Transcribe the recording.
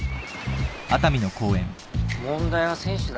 問題は選手だ。